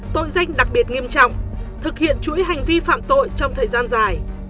tội danh đặc biệt nghiêm trọng thực hiện chuỗi hành vi phạm tội trong thời gian dài